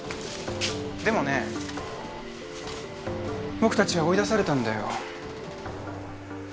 でもね僕たちは追い出されたんだよ。